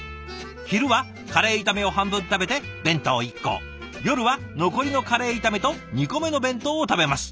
昼はカレー炒めを半分食べて弁当１個夜は残りのカレー炒めと２個目の弁当を食べます。